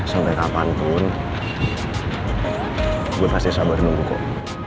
sampai kapanpun gue pasti sabar nunggu kok